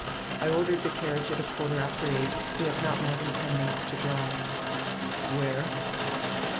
I ordered the carriage at a quarter after eight; we have not more than ten minutes to drive. " "Where?"